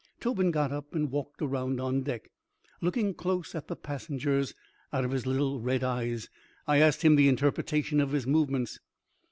Tobin got up and walked around on deck, looking close at the passengers out of his little red eyes. I asked him the interpretation of his movements.